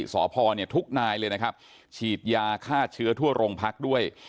สพเนี่ยทุกนายเลยนะครับฉีดยาฆ่าเชื้อทั่วโรงพักด้วย